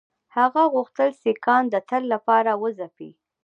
هغه غوښتل سیکهان د تل لپاره وځپي.